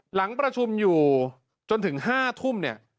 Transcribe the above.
หลังประชุมอยู่จนถึง๕ทุ่ม